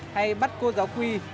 hay bắt cô giáo quy